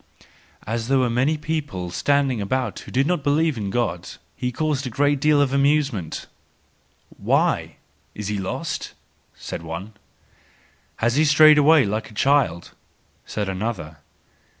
—As there were many people standing about who did not believe in God, he caused a great deal of amusement Why! is he lost? said one. Has he strayed away like a child ? said another.